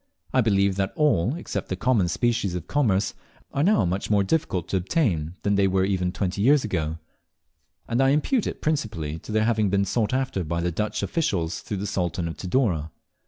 I believe that all, except the common species of commerce, are now much more difficult to obtain than they were even twenty years ago; and I impute it principally to their having been sought after by the Dutch officials through the Sultan of Tidore.